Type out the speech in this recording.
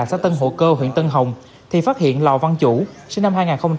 xã tân hộ cơ huyện tân hồng thì phát hiện lò văn chủ sinh năm hai nghìn hai